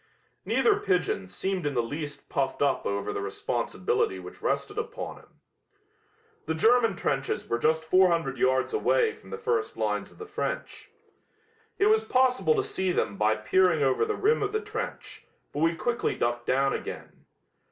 Neither pigeon seemed in the least puffed up over the responsibility which rested upon him. The German trenches were just 400 yards away from the first lines of the French. It was possible to see them by peering over the rim of the trench, but we quickly ducked down again.